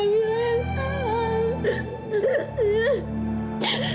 ini bukan salah kak